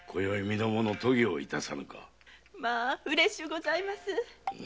まぁうれしゅうございます。